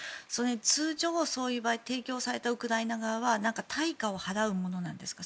通常、そういう場合提供されたウクライナ側は対価を払うものなんですか？